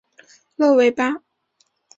勒维巴。